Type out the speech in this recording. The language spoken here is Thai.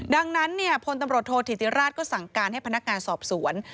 ดังนั้นพลตำรวจโทษธิติราชก็สั่งการให้พนักงานสอบสวน